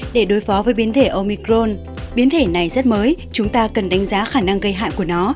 để đối phó với biến thể omicron biến thể này rất mới chúng ta cần đánh giá khả năng gây hại của nó